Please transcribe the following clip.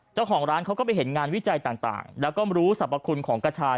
เจ้าของร้านเขาก็ไปเห็นงานวิจัยต่างแล้วก็รู้สรรพคุณของกระชาย